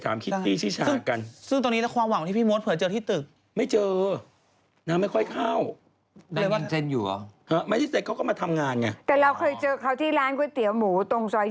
แต่เราเคยเจอเขาที่ร้านก๋วยเตี๋ยวหมูตรงซอย